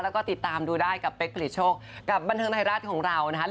แล้วก็ติดตามดูได้กับเป๊กผลิตโชคกับบันเทิงไทยรัฐของเรานะคะ